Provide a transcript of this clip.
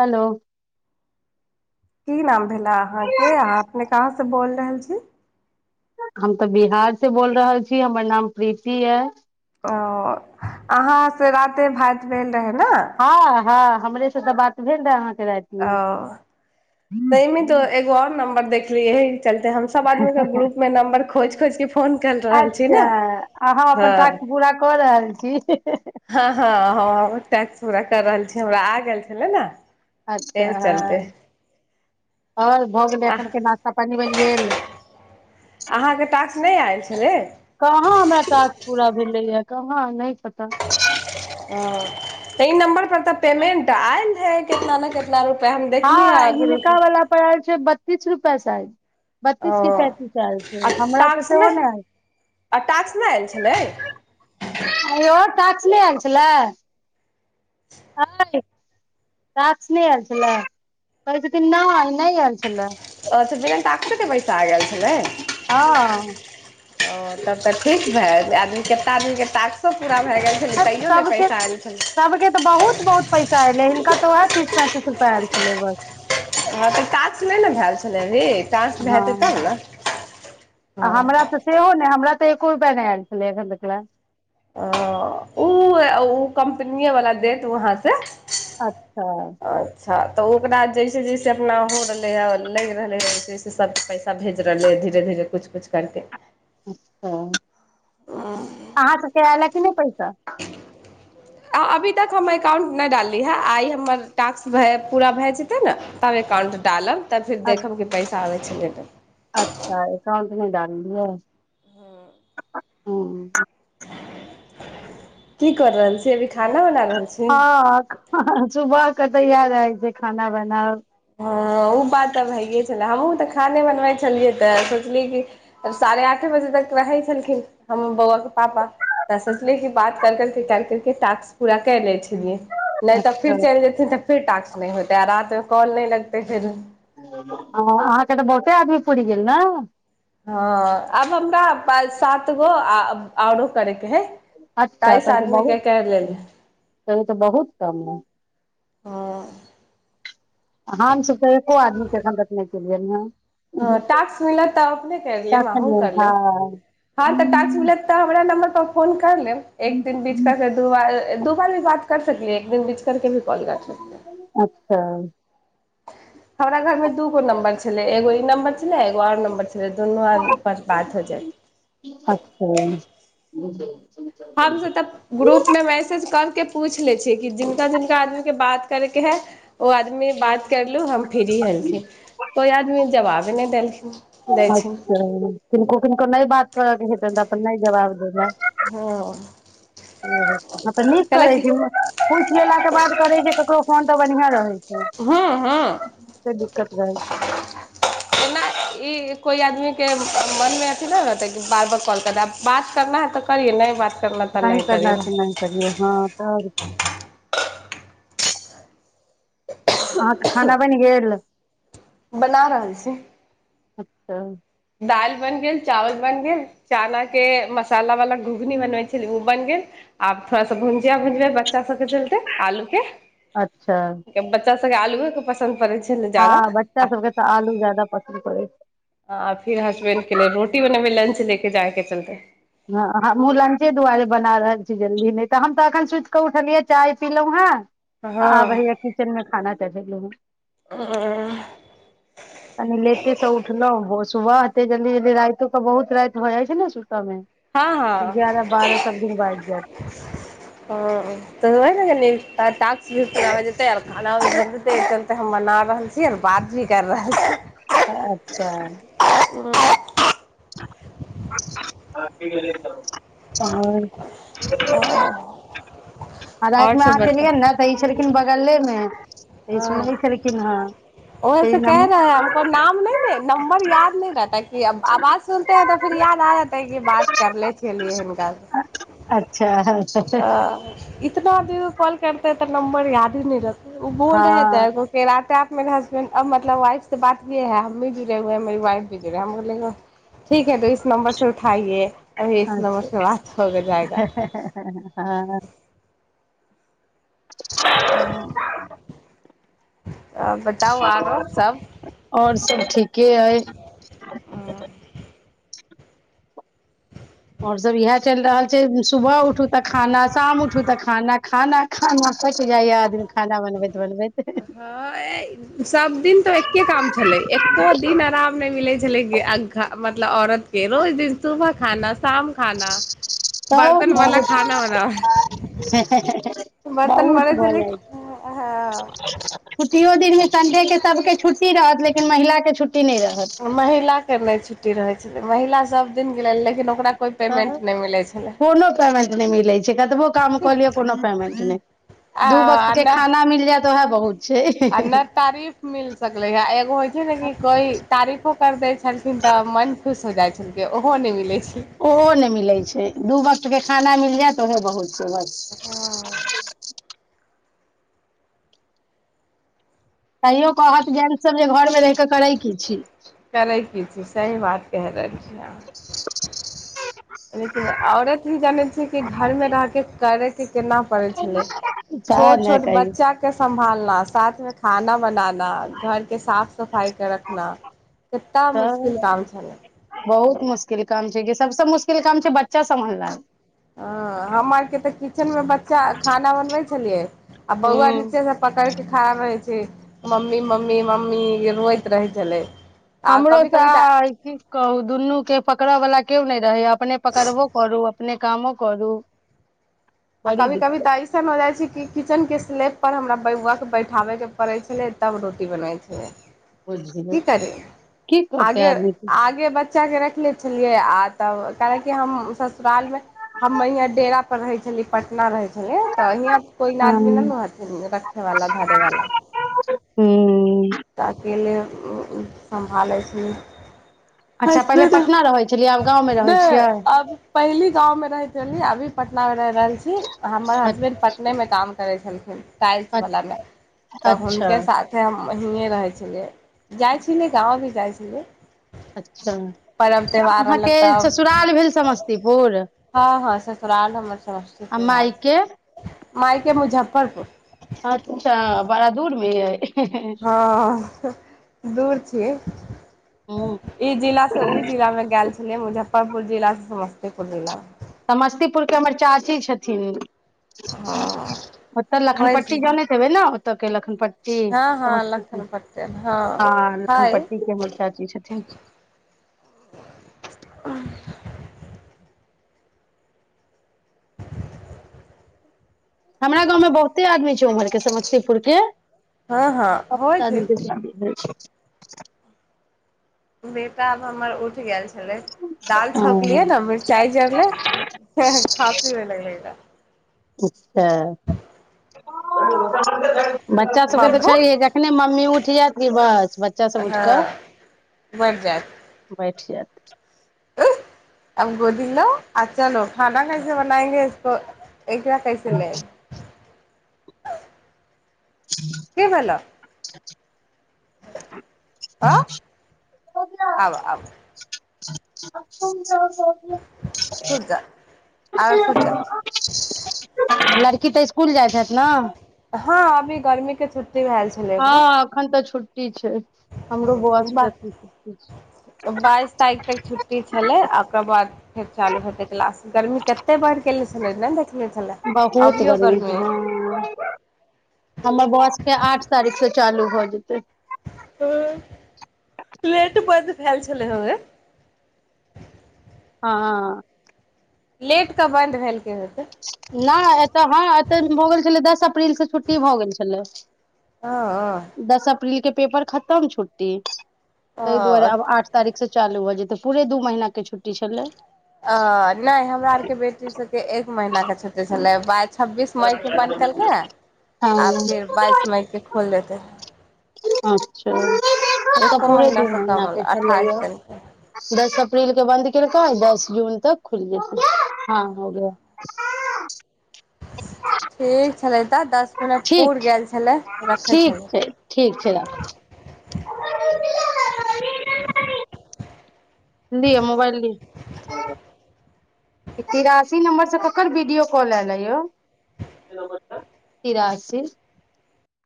Hello की नाम भेला अहाँके अहाँ अपने कहाँसँ बोल रहल छी हम तऽ बिहार से बोल रहल छी हमर नाम प्रीति यै ओ अहाँ से राते भात भेल रहै ने हँ हँ हमरे से तऽ बात भेल रहय अहांके रातिमे तै मे तऽ एगो आर नंबर देख लियै तहन तऽ हम सब आदमीके ग्रुपमे नम्बर खोजि खोजि के फोन कएल रहल कर अच्छा न अहाँ अपन हं टास्क पूरा कऽ रहल छी हँ हँ हम अपन टैक्स पूरा कर रहल छी हमरा आ गेल छलै ने अच्छा एहि चलते हँ आओर भऽ गेलै आह एखनके नाश्ता पानि बनि गेल अहाँके टास्क नहि आयल छलै कहाँ हमरा काज पूरा भेलैए कहाँ नहि पता हँ तऽ ई नंबर पर तऽ पेमेंट आयल रहए कितना ने कितना रूप हँ हिनका बला पड़ आएल छै ब किछ रुपै शायद बत्तीस की ओ पैंतीस आयल आ छै हमरा तऽ टास्क सेहो नहि आ टास्क नहि आयल छलै आयल टास्क नहि आयल छलै हय टास्क नहि आयल छलै कहै छथिन नइ नहि आयल छलै तऽ बिना टास्केके पैसा आ गेल छलै हँ ओ तब तऽ ठीक भए जे आदमी आदमीके टाकसो प सभके सभके तऽ बहुत बहुत पैसा एयलै हिनका तऽ उएह तीस पैंतीस रुपैआ आयल छलै बस हँ तऽ टास्क नहि ने भेल छलै अभी टास्क हँ भएतै तब ने आ हमरा हँ तऽ सेहो ने हमरा एको रुपया नहि आयल छलै अखन तकला ओ ऊ ऊ कम्पनीए वला देत वहाँ से अच्छा हँ तऽ ओकरा जैसे जैसे अपना हो रहलै हइ लागि रहलै ह वैसे जइसे सभ पैसा भेज रहलै ह धीरे धीरे किछु किुछु करिके अच्छा आहा सब के आयलए की नहि पैसा आ अभी तक हम एककाउंट नहि डालली हेँ आइ हमर टास्क पूरा भए जेतै ने तब एकाउंट डालब तब फिर अ- देखब कि पैसा आबै छै [unintelligible] अच्छा एकाउंट नै डाललियै हूँ की कर रहल छी देख खाना बना रहल छी हँ सुबह क त यैह रहै छै खाना बनाउ ह ओ बात तब भइे छलै हमहुूँ तऽ खाने बनबै छलियै तऽ सोचलिय कि साढ़े आठे बजे तक रहै छलखिन हमर बौआे पापा तऽ सोचलियै कि बात कर करकेे कर करकेे टास्क पूरा कर लै छी केलियै नहि तऽ अच्छा फिर चलि जेते तऽ फिर टाक्स नहि होतै रात कॉल नहि लगते फेर ह अहाँके तऽ बहुते आदमी पुरि गेल ने हँ आब हमरा सात गो आओरो करे अच्छा तहन तऽ बहुत लेली तहन तऽ बहुत कम ह हँ हाम सब त एको आदमी के एखन तक नै केलियैन हँ ह टास्क मिलत तऽ अपने कर लेम अहूँ तखने कर लेब हँ हँ तऽ टास्क मिलत तऽ हमरा नम्बर पर फोन कर लेब एक दिन बीच कर दू बार दू बार भी बात कर सकलियै एक दिन बीच करके भी कॉल क सकल अच्छा हमरा घर मे दूगो नं्बर छलै एगो नंबर छलै एगो आओर नम्बर छलै दुनू आद बस बात हौ जाइ अच्छा [inaudible] हम से तब ग्रुप मे मैसेज कर के पूछ ले छिय कि जिनका जिनका आदमी के बात करे के है ओ आदमी बात करलु हम फ्ररी हलखिन कोई आदमी जवाब ओ नहि देलखिन दै छै अच्छा किनको किनको नहि बात करऽ के हेतैनि तऽ त नहि जबाब देब हँ तऽ नीक कहलक करैत छै पूछि लेलाके बाद करै छै ककरो फोन पर बढ़िया रहै छै नहि हू हँ तऽ दिक्कत रहै एना ई कोइ आदमीके मनमे अथी नहि रहतै कि बार बार कॉल कर दै आब बात करना है तऽ करिहए नहि बात करना तऽ अहिं नहि करियै दत्तमाइन करियए हँ तऽ अहाँके खाना बनि गेल बना रहल छी अच्छा दाल बन गेल चावल बन गेल चना के मसाला वाला घुघनी बनबै छलै ओ बन गेल आब थोड़ा सा भुजिया भुजब बच्चा सब के चलते आलू अच्छा के बच्चास सबके आलुए के पसन्द पड़ छै हँ बच्चा सबके तऽ आलू ज्याददा पसन्द परै छै आ फिर हसबैंड के ले रोटी बनेबै लंच लेके जायके चलते हँ हमूँ लंचे दुआरे बना रहल छी जल्दी नहि तऽ हम तऽ एखन सुति कऽ उठलियै चाय पीलहुँ हेँ हँ आ भैया किचन में खाना ल- हँ कनि लेटे सँ उठलहुँ भोरे सुबह हते जल्दी जल्दी राति के बहुत राति भ जाइ छै ने सुतऽ मे हँ हँ एगारह बारह सब दिन बाजि जायत ह तसै ने कनी त टॉक्स भी पुरा भ जतेय आर खाना भ भेत चलते हम मना रहल छी आर बात भी कर रहल छी अच्छा ह [inaudible] अहाँ की हुँ आ आओर रातिमे सब अहाँकेलियै बताउ ने तऽ ई छलखिन बगलेमे इ सुनबे केलखिन हन ओ ऐसे क रहे है हमको नाम नहि दे नंबर याद न रहता कि आवाज सुनते हैं तऽ फिर याद आ जेतेै कि बात करले छियै हिनकास अच्छा आ इतना दिन कॉल क करते हैं तऽ नबर यादे नहि रहता उ बोल हँ रहेै मेरे हसबैंड अब मतलब वाइफ से बात किये हैं य हम भी जुड़े हए ह मेरी वाइफ भ जुड़े ह हम बोले ठीक है तो इस नम्बर से उठाइए अभी इस नम्बर अच्छा से बात हो जाएगा एं हें हें हं आब ब आओर सब ठीक के हइ हुँ म आओर सब इएह चलि रहल छै सुबह उठू तऽ खाना शाम उठू तऽ खाना खाना खाना सो जाइया आदमी खाना बनबैत बनबेैत हँ सभ दिन तऽ एक्के काम छलै एक्को दिन आराम नहि मिलै छलै मतलब औरत रोज दिन सुबह खाना शाम खाना बर्तन तब वाला खाना बहुत बनाबै बर्तन बे बहुत से भऽ ल छुटियो दिनमे संडे के सबके छुट्टी रहत लेकिन महिला के छुट्टी नहि रहत महिलाके नहि छुट्टी रहै छै महिला सभ दिन गिनै ले त कोनो पेमेंट नहि मिलैत छै कतबो काम कऽ लियौ कोनो पेमेंट नहि दू वक्त आ के नहि खाना मिल जायत तऽ वायहा बहुत छै आ नहि तारीफ मिल सकले ह एगो होइ छै ने कि कोई तारीफो कर दै छलखिन तऽ मन खुश हो जाइ छलै ओहो नहि मिलै छै ओहो नहि मिलै छै दू वक्त के खाना मिल जायत ओहे बहुत से बात हँ छै तैयो कहत जेंस सब जे घर रमे रहि कऽ करै की छी करै की छी सही बात क रहलियै लेकिन औरत भी जानै छियै कि घर मे रहिके करे के केना पड़ै छलै सएह छोट ने छोट कही बच्चा के सम्भालनाय साथ मे खाना बनाना घरके साफ सफाइके रखना कित्ता तऽ मुश्किल काम छै बहुत मुश्किल काम छै गै सबसँ मुश्किल काम छै बच्चा सम्हालनाय हं हम आर के तऽ किचेन मे बच्चा खाना बनबै छलियै आ बौआ हूँ नीचे से पकड़ के खाबै छै मम्मी मम्मी मम्मी रोऐत रहै छलै आ हमरो कभी सयह कभी तऽ अय की कहू दुनूके पकड़यवला केओ नहि रहैए अपने पकड़बो करू अपने कामो करू आ बड़ी कभी कभी दिक्कत तऽ ऐसन हो जाइ छै कि किचन के स्लैप पर हमरा बौआ के बैठाबे के पड़े छलै तब रोटी बनै छलै बुझलियै की करी की करतै आगे आदमी के। आगे बच बच्चाके रखले छलियै आ तब काहेकि हम ससुरालमे हम यहाँ डेरा पर रहै छलिै पटना रहैत तऽ हियाँ कोइ हँ आदमी नहि ने हथि रखे वाला धरे वाला हूं ताक ल सम्भालै छी अच्छा पहिले पटना रहै छलियै आब गाँवमे रहैत छियै नहि अब पहिली गाँवमे रहैत रहली अभी पटनामे रहि रहल छी हमर अ हसबैंड पटने में काम करै छलखिन टाइल्स वालला मे तऽ अच्छा हुनके साथे बहिएँ रहै छलियै जाइ छलै गाँव भी जाइ छलियै अच्छा पर्व त्यौहार रहलक अहाँके तब ससुराल भेल समस्तीपुर हँ हँ ससुराल हमर आ समस्तीपुर भेल माइके मायके मुजफ्फरपुर हँ त बड़ा दूर मे है हँ दूर छी हूँ ई जिला से ओ जिला मे गेल छी प मुजफ्फरपुर जिला से समस्तीपुर जिलामे समस्तीपुर के हमर चाची छथिन ओतऽ होइ छै लखनपट्टी जाने हेबै ने तऽ के लखनपट हँ [unintelligible] हँ समस्तप लखन पटेल हँ ह हइ लखनपट्टी के हमर चाची छथिन हमरा गाँवमें बहुते आदमी छै उम्हर के समस्तीपुर के हँ हँ बहुत होय छै आदमी के शादी भेल छै बेटा आब हमर उठ गेल छै दाल हँ छौकलिय ने मिरचाई जरले काफी लगेगा अच्छा बच्चा सबके तऽ बब्बू छैे जखने मम्मी उठि जायत कि बस बच्चा सब उठ कऽै हँ बढ़ जायत [unintelligible] अब गोदी लो आ च लो खाना कैसे बनाएंगे इसको एक रकै छलै [unintelligible] क भेलल आंय आब आब [inaudible] खुल जाएत लड़की तऽ इसकुल जाइ छथि न। छुटी [unintelligible] हँ एखन तऽ छुट टी छै हमरो हँ बौआ उ सबके एखन छुट्टी बाइस तारिख तक छुट्टी छलै आ ओकरा बाद फेर चालू हेतै क्लास गर्मी कतेक बढ़ि गेल छलै नहि देखने छलै बहुत अभियो गर्मी है अइ। हँ हमर बौआ सबकें आठ तारिख से चालू भऽ जेतै। हँ लेट बंद भेल छलै हवे हँ लेट कऽ बन्द भेल। नहि एतऽ हँ एतऽ तऽ भऽ गेल छलै दस अप्रील सँ छुट्टी भऽ गेल छलै। हँ हँ दस अप्रील के पेपर खत्म छुट्टी तहि दुआरे अ अब आठ तारीख से चालू भऽ जे तऽ पुरे दू महिना के छुट्टी छेलै। अ नहि हमरा आरके बेटी सबके एक महीना के छुट्टघ छलै बाइस छब्बीस मइ के बन्द केलकै हँ आ फेर बाइस मइ के खोल देतै अच्छा एतऽ एको पूरे दू महीनासँ महीना कम के अठाइस छलैया दिनके य तीन के बन्द केलकै दस जून तक खुलि जेतै हँ हो गया ठीक छलै। तऽ दस मिनट पूरि ठीक गेल छलै रखै ठीक छै ठीक छै छलै। राखू [inaudible] लिय मोबाइल लि ई तिरासी नम्बरसँ ककर वीडियो कॉल एलैये यौ तिरासी।